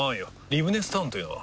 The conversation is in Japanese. リブネスタウンというのは？